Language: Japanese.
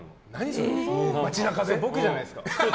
それ、僕じゃないですか？